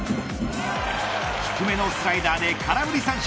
低めのスライダーで空振り三振。